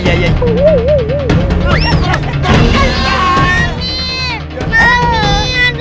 mami aduh sakit mami